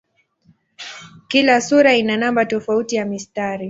Kila sura ina namba tofauti ya mistari.